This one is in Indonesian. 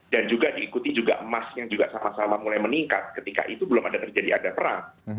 dan juga diikuti juga emas yang juga sama sama mulai meningkat ketika itu belum ada terjadi ada perang